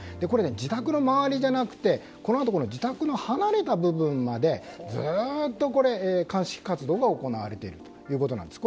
自宅の周りじゃなくて自宅の離れた部分までずっと鑑識活動が行われているということです。